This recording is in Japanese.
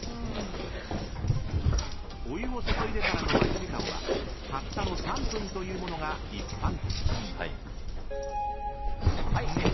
［お湯を注いでからの待ち時間はたったの３分というものが一般的］